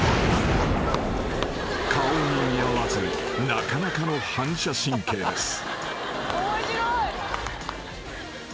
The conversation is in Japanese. ［顔に似合わずなかなかの反射神経です］